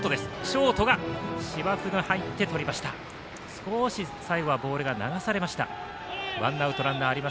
少し最後はボールが流されました。